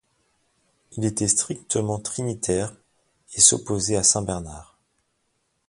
Il était strictement trinitaire et s'opposait à saint Bernard.